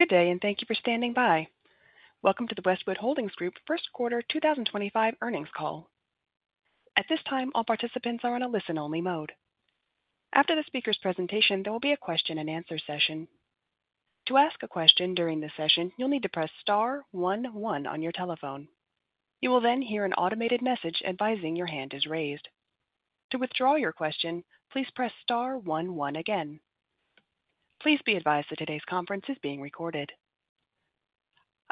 Good day and thank you for standing by. Welcome to the Westwood Holdings Group first quarter 2025 earnings call. At this time, all participants are in a listen only mode. After the speaker's presentation, there will be a question-and-answer session. To ask a question during the session, you'll need to press star one one on your telephone. You will then hear an automated message advising your hand is raised. To withdraw your question, please press star one one again. Please be advised that today's conference is being recorded.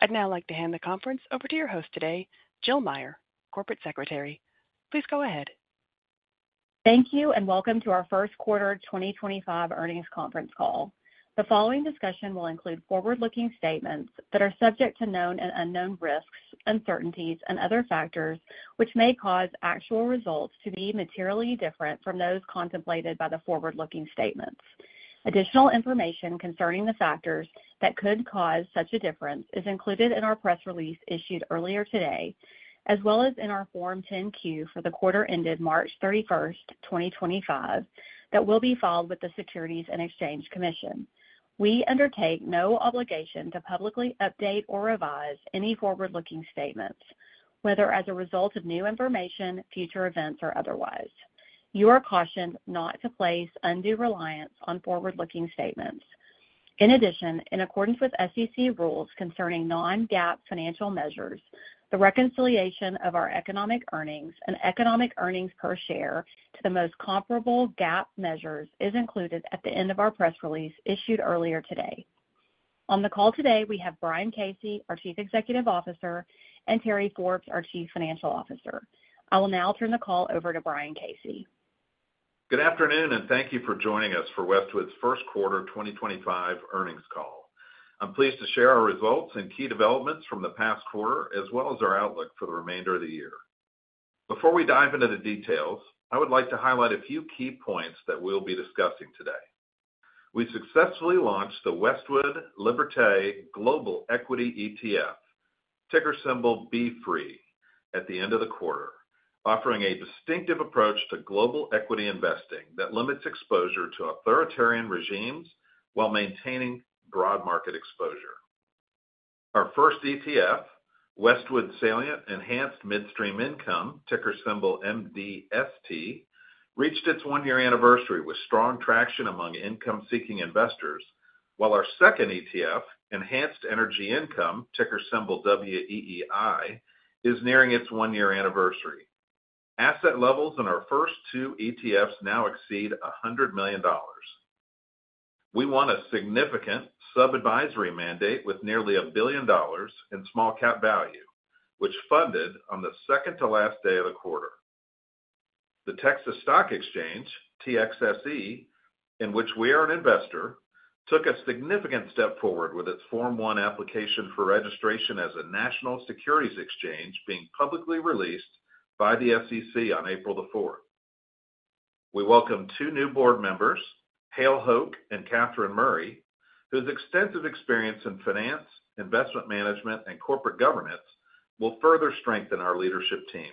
I'd now like to hand the conference over to your host today, Jill Meyer, Corporate Secretary. Please go ahead. Thank you and welcome to our first quarter 2025 earnings conference call. The following discussion will include forward-looking statements that are subject to known and unknown risks, uncertainties and other factors which may cause actual results to be materially different from those contemplated by the forward-looking statements. Additional information concerning the factors that could cause such a difference is included in our press release issued earlier today as well as in our Form 10-Q for the quarter ended March 31st, 2025 that will be filed with the Securities and Exchange Commission. We undertake no obligation to publicly update or revise any forward looking statements, whether as a result of new information, future events or otherwise. You are cautioned not to place undue reliance on forward-looking statements. In addition, in accordance with SEC rules concerning non-GAAP financial measures, the reconciliation of our economic earnings and economic earnings per share to the most comparable GAAP measures is included at the end of our press release issued earlier today. On the call today we have Brian Casey, our Chief Executive Officer, and Terry Forbes, our Chief Financial Officer. I will now turn the call over to Brian Casey. Good afternoon and thank you for joining us for Westwood's first quarter 2025 earnings call. I'm pleased to share our results and key developments from the past quarter as well as our outlook for the remainder of the year. Before we dive into the details, I would like to highlight a few key points that we'll be discussing today. We successfully launched the Westwood Liberte Global Equity ETF, ticker symbol BEFR, at the end of the quarter, offering a distinctive approach to global equity investing that limits exposure to authoritarian regimes while maintaining broad market exposure. Our first ETF, Westwood Salient Enhanced Midstream Income, ticker symbol MDST, reached its one year anniversary with strong traction among income seeking investors, while our second ETF, Enhanced Energy Income, ticker symbol WEEI, is nearing its one year anniversary. Asset levels in our first two ETFs now exceed $100 million. We won a significant sub-advisory mandate with nearly $1 billion in small cap value, which funded on the second to last day of the quarter. The Texas Stock Exchange, in which we are an investor, took a significant step forward with its Form-1 application for registration as a national securities exchange being publicly released by the SEC on April 4. We welcome two new board members, Hale Hoak and Katherine Murray, whose extensive experience in finance, investment management, and corporate governance will further strengthen our leadership team.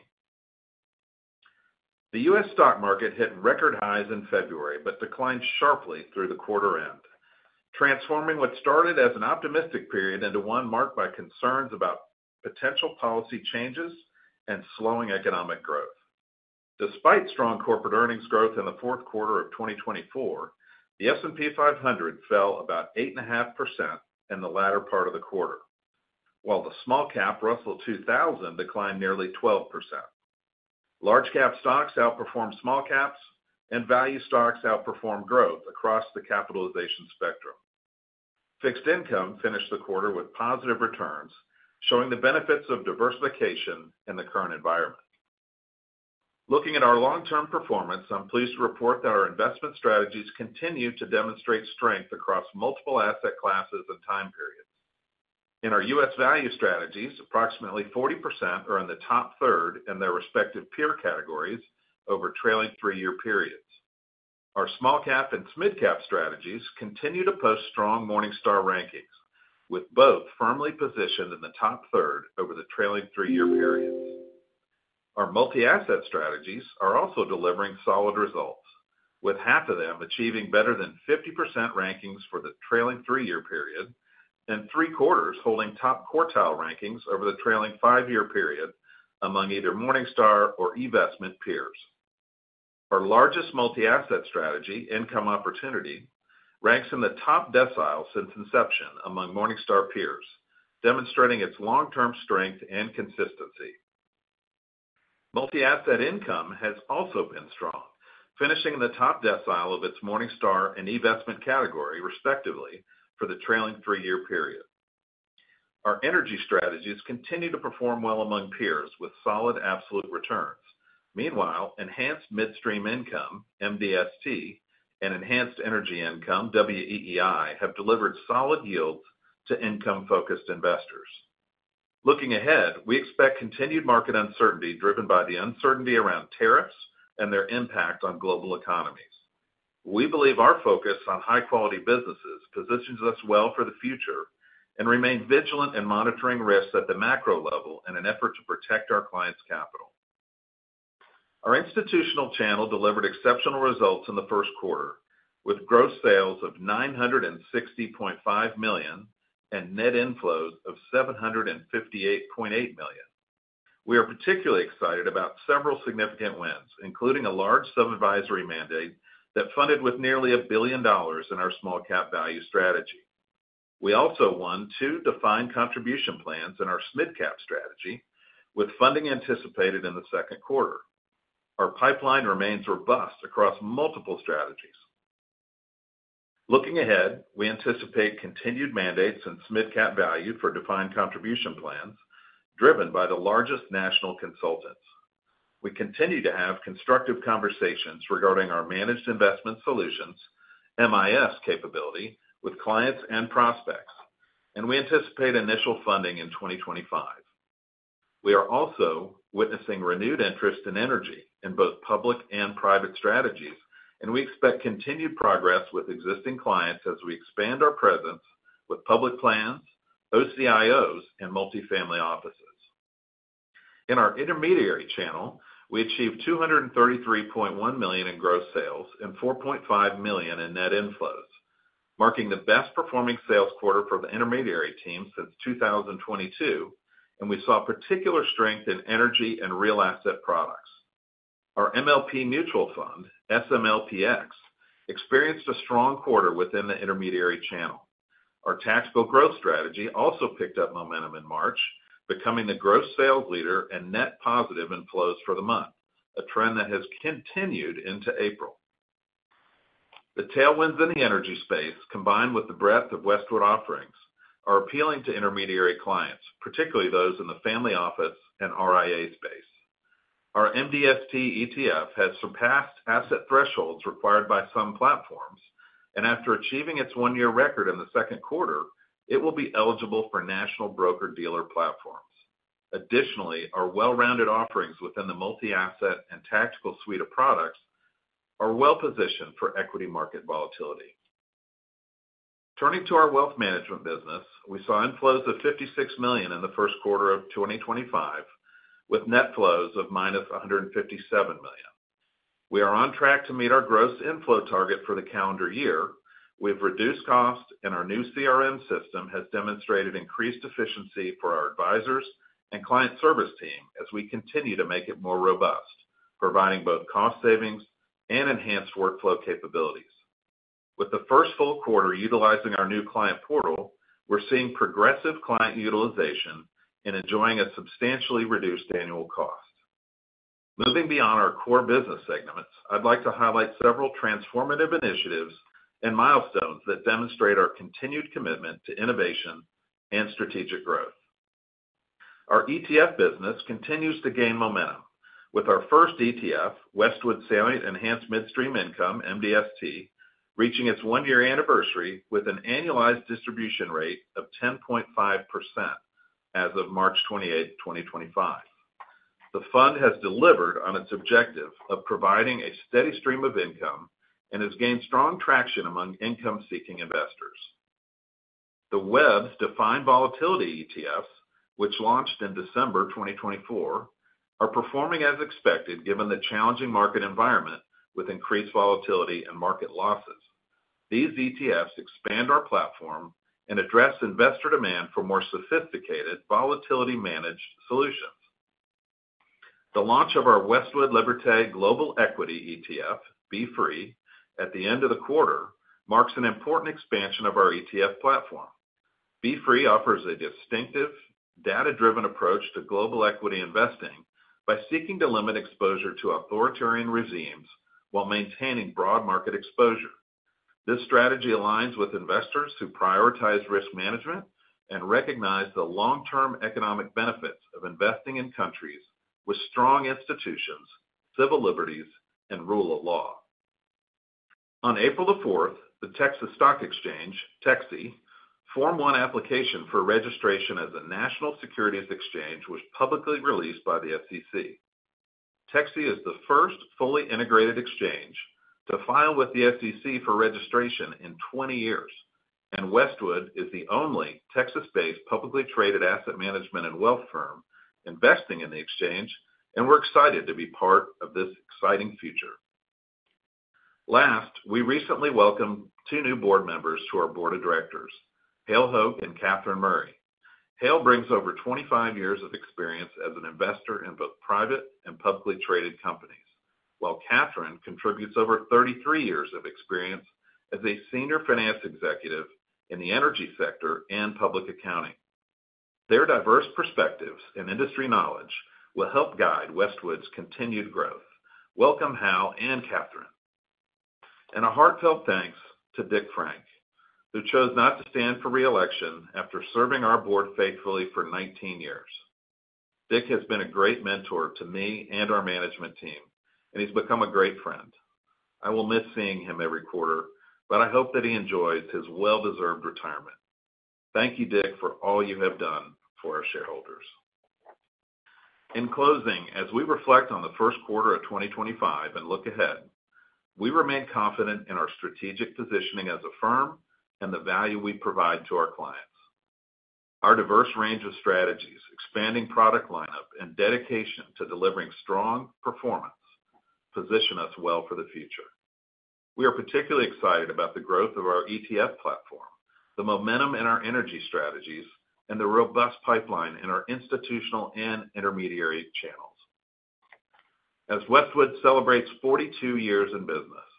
The U.S. stock market hit record highs in February but declined sharply through the quarter end, transforming what started as an optimistic period into one marked by concerns about potential policy changes and slowing economic growth. Despite strong corporate earnings growth in the fourth quarter of 2024, the S&P 500 fell about 8.5% in the latter part of the quarter while the small cap Russell 2000 declined nearly 12%. Large cap stocks outperformed small caps and value stocks outperformed growth across the capitalization spectrum. Fixed income finished the quarter with positive returns, showing the benefits of diversification in the current environment. Looking at our long term performance, I'm pleased to report that our investment strategies continue to demonstrate strength across multiple asset classes and time periods. In our U.S. value strategies, approximately 40% are in the top third in their respective peer categories over trailing three year periods. Our small cap and mid cap strategies continue to post strong Morningstar rankings with both firmly positioned in the top third over the trailing three year periods. Our multi asset strategies are also delivering solid results with half of them achieving better than 50% rankings for the trailing three year period and three quarters holding top quartile rankings over the trailing five year period among either Morningstar or eVestment peers. Our largest multi asset strategy Income Opportunity ranks in the top decile since inception among Morningstar peers, demonstrating its long term strength and consistency. Multi Asset Income has also been strong finishing in the top decile of its Morningstar and eVestment category respectively for the trailing three year period. Our energy strategies continue to perform well among peers with solid absolute returns. Meanwhile, Enhanced Midstream Income and Enhanced Energy Income have delivered solid yields to income focused investors. Looking ahead, we expect continued market uncertainty driven by the uncertainty around tariffs and their impact on global economies. We believe our focus on high quality businesses positions us well for the future and remain vigilant in monitoring risks at the macro level in an effort to protect our clients' capital. Our institutional channel delivered exceptional results in the first quarter with gross sales of $960.5 million and net inflows of $758.8 million. We are particularly excited about several significant wins including a large sub-advisory mandate that funded with nearly $1 billion in our SmallCap Value Strategy. We also won two defined contribution plans in our SMID Cap Strategy. With funding anticipated in the second quarter, our pipeline remains robust across multiple strategies. Looking ahead, we anticipate continued mandates in SMID Cap Value for defined contribution plans driven by the largest national consultants. We continue to have constructive conversations regarding our Managed Investment Solutions, MIS capability with clients and prospects, and we anticipate initial funding in 2025. We are also witnessing renewed interest in energy in both public and private strategies, and we expect continued progress with existing clients as we expand our presence with public plans, OCIOs and multifamily offices. In our intermediary channel, we achieved $233.1 million in gross sales and $4.5 million in net inflows, marking the best performing sales quarter for the intermediary team since 2022 and we saw particular strength in energy and real asset products. Our MLP mutual fund SMLPX experienced a strong quarter within the intermediary channel. Our tax bill growth strategy also picked up momentum in March, becoming the gross sales leader and net positive inflows for the month, a trend that has continued into April. The tailwinds in the energy space combined with the breadth of Westwood offerings are appealing to intermediary clients, particularly those in the family office and RIA space. Our MDST ETF has surpassed asset thresholds required by some platforms and after achieving its one year record in the second quarter it will be eligible for national broker dealer platforms. Additionally, our well rounded offerings within the multi asset and tactical suite of products are well positioned for equity market volatility. Turning to our wealth management business, we saw inflows of $56 million in the first quarter of 2025. With net flows of -$157 million, we are on track to meet our gross inflow target for the calendar year. We have reduced cost and our new CRM system has demonstrated increased efficiency for our advisors and client service team as we continue to make it more robust, providing both cost savings and enhanced workflow capabilities. With the first full quarter utilizing our new client portal, we're seeing progressive client utilization and enjoying a substantially reduced annual cost. Moving beyond our core business segments, I'd like to highlight several transformative initiatives and milestones that demonstrate our continued commitment to innovation and strategic growth. Our ETF business continues to gain momentum with our first ETF, Westwood Salient Enhanced Midstream Income ETF MDST reaching its one year anniversary with an annualized distribution rate of 10.5% as of March 28th, 2025. The fund has delivered on its objective of providing a steady stream of income and has gained strong traction among income seeking investors. The WEBs Defined Volatility ETFs, which launched in December 2024, are performing as expected given the challenging market environment with increased volatility and market losses. These ETFs expand our platform and address investor demand for more sophisticated volatility managed solutions. The launch of our Westwood Liberte Global Equity ETF, BEFR, at the end of the quarter marks an important expansion of our ETF platform. B Free offers a distinctive data driven approach to global equity investing by seeking to limit exposure to authoritarian regimes while maintaining broad market exposure. This strategy aligns with investors who prioritize risk management and recognize the long term economic benefits of investing in countries with strong institutions, civil liberties, and rule of law. On April 4, the Texas Stock Exchange Form 1 Application for registration as a national securities exchange was publicly released by the SEC. TXSE is the first fully integrated exchange to file with the SEC for registration in 20 years and Westwood is the only Texas-based publicly traded asset management and wealth firm investing in the exchange and we're excited to be part of this exciting future. Last, we recently welcomed two new board members to our Board of Directors, Hale Hoak and Katherine Murray. Hale brings over 25 years of experience as an investor in both private and publicly traded companies, while Kathryn contributes over 33 years of experience as a senior finance executive in the energy sector and public accounting. Their diverse perspectives and industry knowledge will help guide Westwood's continued growth. Welcome Hale and Kathryn and a heartfelt thanks to Dick Frank who chose not to stand for re-election after serving our board faithfully for 19 years. Dick has been a great mentor to me and our management team and he's become a great friend. I will miss seeing him every quarter, but I hope that he enjoys his well deserved retirement. Thank you Dick for all you have done for our shareholders. In closing, as we reflect on the first quarter of 2025 and look ahead, we remain confident in our strategic positioning as a firm and the value we provide to our clients. Our diverse range of strategies, expanding product lineup and dedication to delivering strong performance position us well for the future. We are particularly excited about the growth of our ETF platform, the momentum in our energy strategies and the robust pipeline in our institutional and intermediary channels. As Westwood celebrates 42 years in business,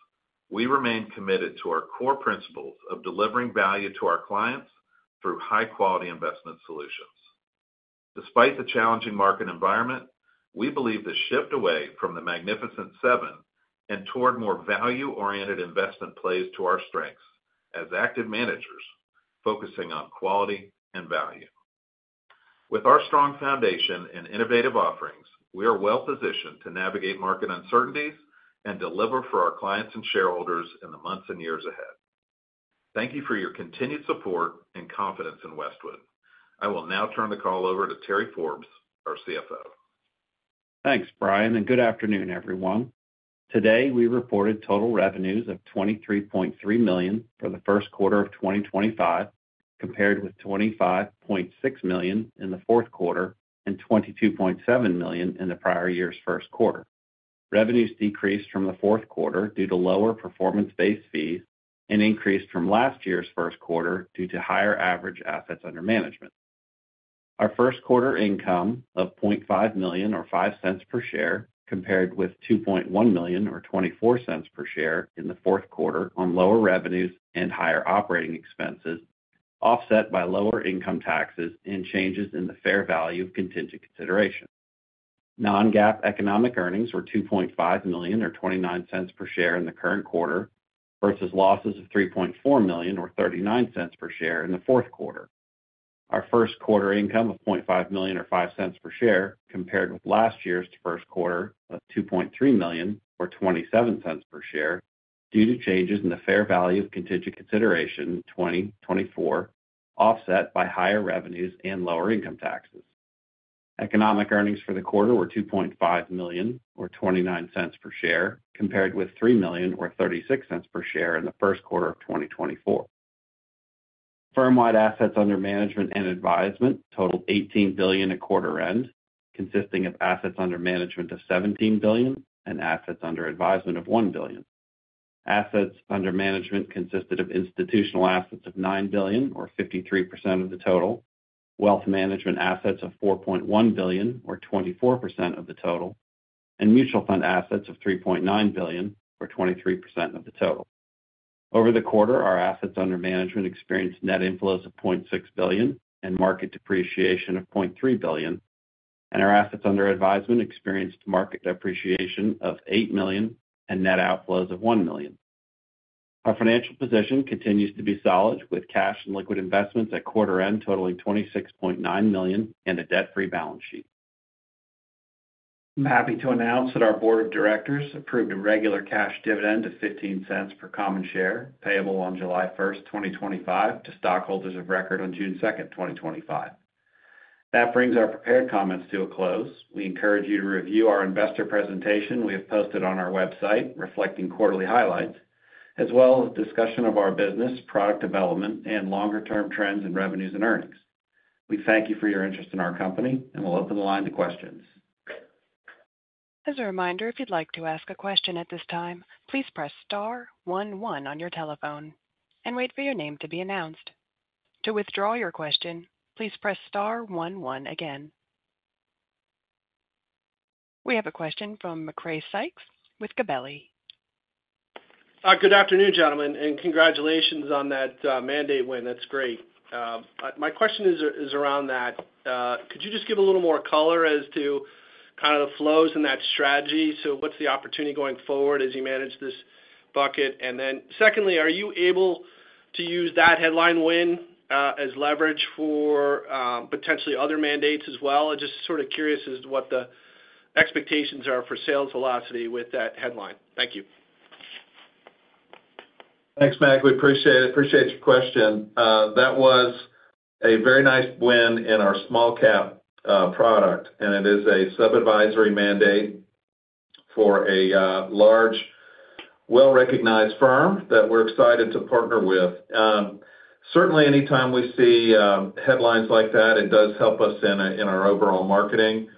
we remain committed to our core principles of delivering value to our clients through high quality investment solutions. Despite the challenging market environment, we believe the shift away from the Magnificent Seven and toward more value oriented investment plays to our strengths as active managers focusing on quality and value. With our strong foundation and innovative offerings, we are well positioned to navigate market uncertainties and deliver for our clients and shareholders in the months and years ahead. Thank you for your continued support and confidence in Westwood. I will now turn the call over to Terry Forbes, our CFO. Thanks Brian and good afternoon everyone. Today we reported total revenues of $23.3 million for the first quarter of 2025 compared with $25.6 million in the fourth quarter and $22.7 million in the prior year's first quarter. Revenues decreased from the fourth quarter due to lower performance based fees, increased from last year's first quarter due to higher average assets under management. Our first quarter income of $500,000 or $0.05 per share compared with $2.1 million or $0.24 per share in the fourth quarter on lower revenues and higher operating expenses offset by lower income taxes and changes in the fair value of contingent consideration. Non-GAAP economic earnings were $2.5 million or $0.29 per share in the current quarter versus losses of $3.4 million or $0.39 per share in the fourth quarter. Our first quarter income of $500,000 or $0.05 per share compared with last year's first quarter of $2.3 million or $0.27 per share due to changes in the fair value of contingent consideration 2024 offset by higher revenues and lower income taxes. Economic earnings for the quarter were $2.5 million or $0.29 per share, compared with $3 million or $0.36 per share in the first quarter of 2024. Firmwide assets under management and advisement totaled $18 billion at quarter end, consisting of assets under management of $17 billion and assets under advisement of $1 billion. Assets under management consisted of institutional assets of $9 billion or 53% of the total, wealth management assets of $4.1 billion or 24% of the total, and mutual fund assets of $3.9 billion or 23% of the total. Over the quarter. Our assets under management experienced net inflows of $0.6 billion and market depreciation of $0.3 billion, and our assets under advisement experienced market depreciation of $8 million and net outflows of $1 million. Our financial position continues to be solid with cash and liquid investments at quarter end totaling $26.9 million and a debt free balance sheet. I'm happy to announce that our Board Of Directors approved a regular cash dividend of $0.15 per common share payable on July 1st, 2025 to stockholders of record on June 2nd, 2025. That brings our prepared comments to a close. We encourage you to review our investor. Presentation we have posted on our website reflecting quarterly highlights as well as discussion of our business, product development, and longer term trends in revenues and earnings. We thank you for your interest in our company, and we'll open the line to questions. As a reminder, if you'd like to ask a question at this time, please press Star one one on your telephone and wait for your name to be announced. To withdraw your question, please press Star one one again. We have a question from Macrae Sykes with Gabelli. Good afternoon gentlemen and congratulations on that mandate win. That's great. My question is around that. Could you just give a little more color as to kind of the flows in that strategy? What is the opportunity going forward as you manage this bucket? Secondly, are you able to use that headline win as leverage for potentially other mandates as well? I am just sort of curious as to what the expectations are for sales velocity with that headline. Thank you. Thanks Mac. We appreciate it. Appreciate your question. That was a very nice win in our small cap product and it is a sub-advisory mandate for a large, well recognized firm that we are excited to partner with. Certainly anytime we see headlines like that, it does help us in our overall marketing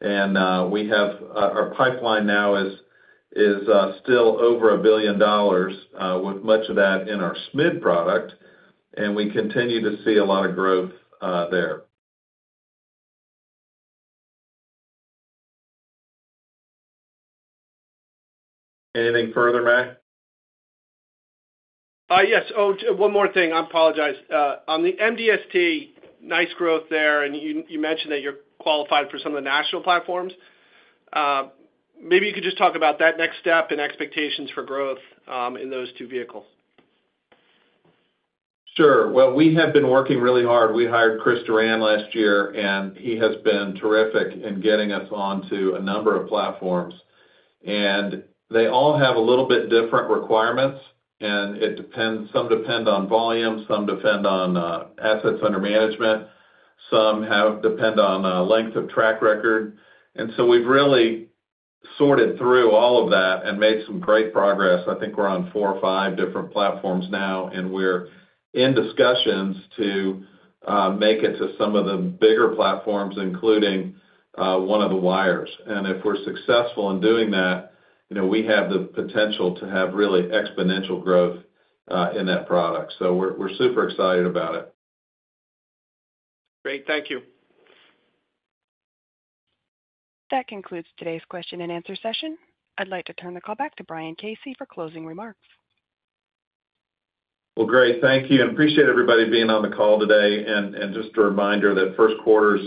and we have our pipeline now is still over $1 billion with much of that in our SMID product and we continue to see a lot of growth there. Anything further, Mac? Yes, one more thing. I apologize on the MDST. Nice growth there and you mentioned that you're qualified for some of the national platforms. Maybe you could just talk about that next step and expectations for growth in those two vehicles. Sure. We have been working really hard. We hired Chris Duran last year and he has been terrific in getting us onto a number of platforms and they all have a little bit different requirements and it depends. Some depend on volume, some depend on assets under management, some depend on length of track record. We have really sorted through all of that and made some great progress. I think we are on four or five different platforms now and we are in discussions to make it to some of the bigger platforms, including one of the wires. If we are successful in doing that, we have the potential to have really exponential growth in that product. We are super excited about it. Great. Thank you. That concludes today's question and answer session. I'd like to turn the call back to Brian Casey for closing remarks. Thank you and appreciate everybody being on the call today. Just a reminder that first quarter is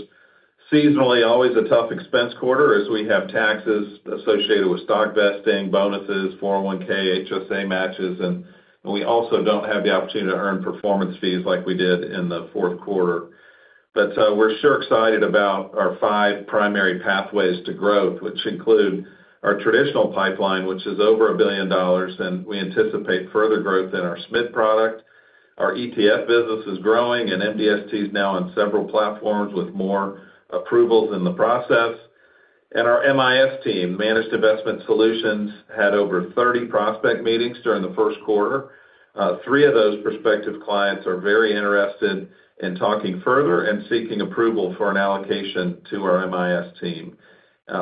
seasonally always a tough expense quarter as we have taxes associated with stock vesting, bonuses, 401(k) HSA matches and we also do not have the opportunity to earn performance fees like we did in the fourth quarter. We are sure excited about our five primary pathways to growth which include our traditional pipeline which is over $1 billion, and we anticipate further growth in our Smith product. Our ETF business is growing and MDST is now on several platforms with more approvals in the process. Our MIS team, Managed Investment Solutions, had over 30 prospect meetings during the first quarter. Three of those prospective clients are very interested in talking further and seeking approval for an allocation to our MIS team.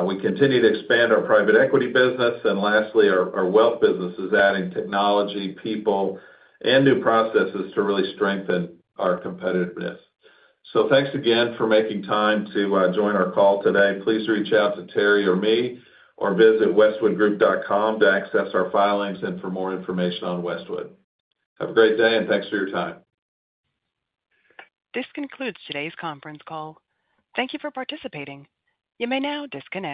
We continue to expand our private equity business and lastly, our wealth business is adding technology people and new processes to really strengthen our competitiveness. Thanks again for making time to join our call today. Please reach out to Terry or me or visit westwoodgroup.com to access our filings and for more information on Westwood. Have a great day and thanks for your time. This concludes today's conference call. Thank you for participating. You may now disconnect.